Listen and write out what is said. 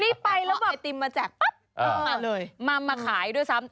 นี่ไปแล้วเอติมมาจากปั๊บมาขายด้วยซ้ำ